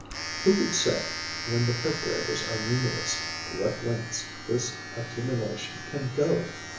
Who could say, when the perforators are numerous, to what lengths this accumulation can go?